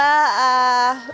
ya terima kasih